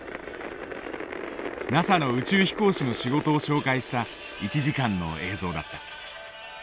ＮＡＳＡの宇宙飛行士の仕事を紹介した１時間の映像だった。